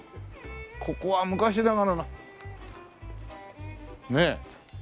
ここは昔ながらのねえ。